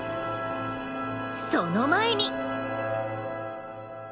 その前に。